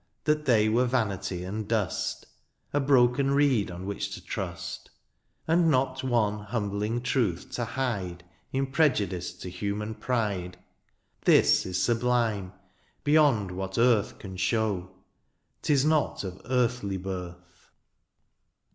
That they were vanity and dust, A broken reed on which to trust ; And not one humbling truth to hide In prejudice to himian pride — This is sublime beyond what earth Can shew ; ^tis not of earthly birth.